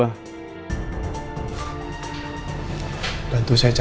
aduh bisa kacau kalau perempuan itu ngeliat gua